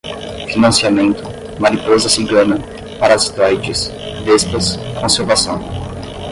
financiamento, mariposa cigana, parasitoides, vespas, conservação